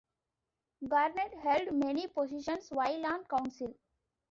Gurnett held many positions while on Council.